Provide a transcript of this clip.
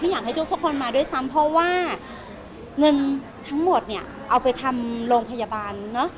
อยากให้ทุกคนมาด้วยซ้ำเพราะว่าเงินทั้งหมดเนี่ยเอาไปทำโรงพยาบาลเนอะ